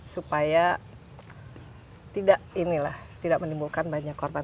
supaya tidak inilah tidak menimbulkan banyak korban